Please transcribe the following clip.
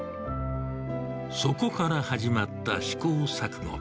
そこから始まった試行錯誤。